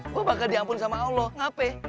gue bakal diampunin sama allah ngapain